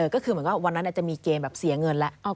ก็คือวันนั้นอาจจะมีเกมเสียเงินแล้ว